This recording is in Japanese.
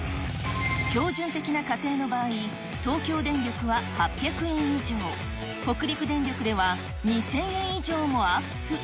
標準的な家庭の場合、東京電力は８００円以上、北陸電力では２０００円以上もアップ。